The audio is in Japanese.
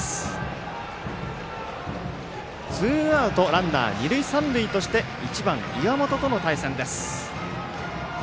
ツーアウト、ランナー二塁三塁として１番岩本との対戦です。